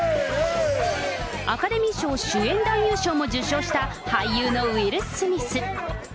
アカデミー賞主演男優賞も受賞した俳優のウィル・スミス。